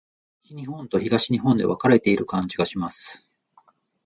西日本と東日本で分かれている感じがします。